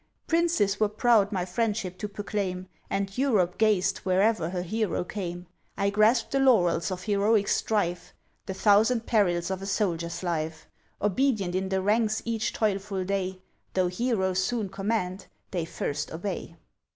Princes were proud my friendship to proclaim, And Europe gazed, where'er her hero came! I grasp'd the laurels of heroic strife, The thousand perils of a soldier's life; Obedient in the ranks each toilful day! Though heroes soon command, they first obey.